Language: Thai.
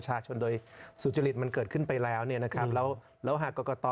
เฝ้าดูการชั่งน้ำหนักของคุณศรีสุวรรณหน่อยนะ